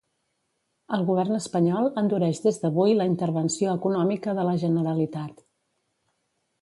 El govern espanyol endureix des d'avui la intervenció econòmica de la Generalitat.